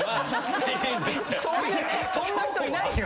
そんな人いないよ。